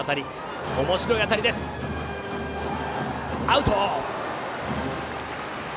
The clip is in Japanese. アウト。